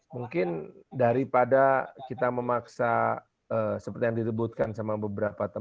mungkin daripada kita memaksa seperti yang disebutkan sama beberapa teman